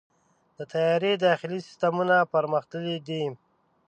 د طیارې داخلي سیستمونه پرمختللي دي.